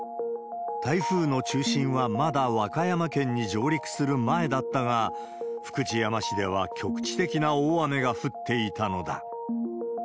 台風の中心はまだ和歌山県に上陸する前だったが、福知山市では局地的な大雨が降っていたのだ。